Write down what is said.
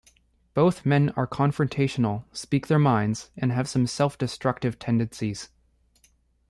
Both men are confrontational, speak their minds, and have some self-destructive tendencies.